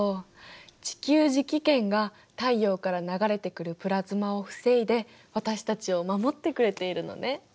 地球磁気圏が太陽から流れてくるプラズマを防いで私たちを守ってくれているのね。